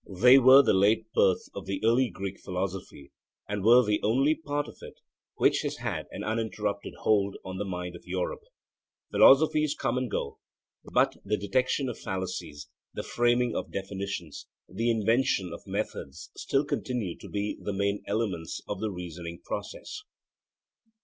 They were the late birth of the early Greek philosophy, and were the only part of it which has had an uninterrupted hold on the mind of Europe. Philosophies come and go; but the detection of fallacies, the framing of definitions, the invention of methods still continue to be the main elements of the reasoning process.